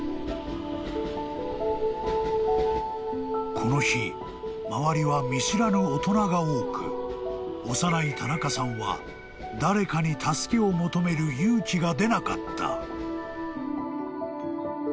［この日周りは見知らぬ大人が多く幼い田中さんは誰かに助けを求める勇気が出なかった］